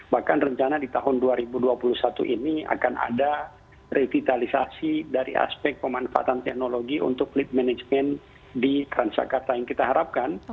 bahkan rencana di tahun dua ribu dua puluh satu ini akan ada revitalisasi dari aspek pemanfaatan teknologi untuk lead management di transakarta yang kita harapkan